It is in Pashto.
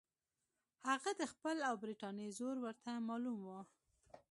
هغه د خپل او برټانیې زور ورته معلوم وو.